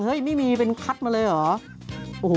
เฮ่ยไม่มีเขาเป็นคัทมาเลยเหรอ